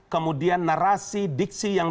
kemudian narasi diksi yang